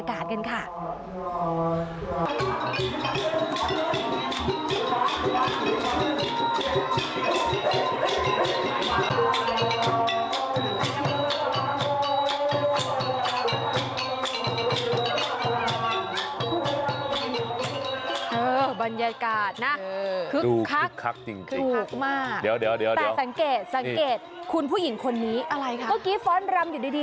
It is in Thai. แต่สังเกตสังเกตคุณผู้หญิงคนนี้อะไรคะเมื่อกี้ฟ้อนรำอยู่ดี